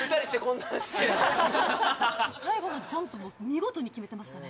最後のジャンプも見事に決めてましたね